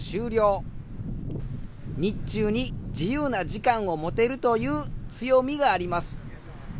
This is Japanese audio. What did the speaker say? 日中に自由な時間を持てるという強みがあります。